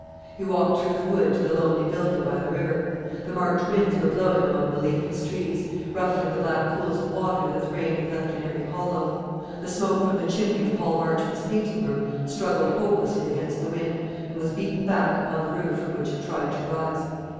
He walked through the wood to the lonely building by the river. The March winds were blowing among the leafless trees, ruffling the black pools of water that the rain had left in every hollow; the smoke from the chimney of Paul Marchmont's painting room struggled hopelessly against the wind, and was beaten back upon the roof from which it tried to rise.